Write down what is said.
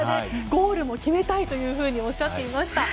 ゴールも決めたいとおっしゃっていました。